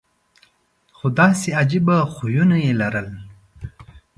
خو داسې عجیبه خویونه یې لرل.